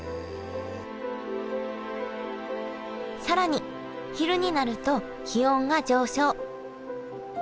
更に昼になると気温が上昇。